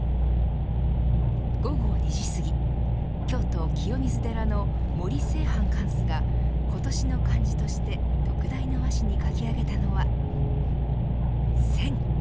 午後２時すぎ京都、清水寺の森清範貫主が今年の漢字として特大の和紙に書き上げたのは戦。